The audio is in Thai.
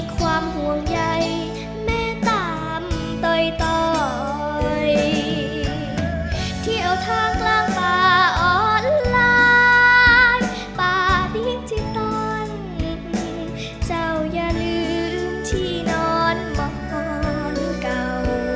ป่าดิ้งจิตตอนนิดนี้เจ้าอย่าลืมที่นอนหมอนเก่า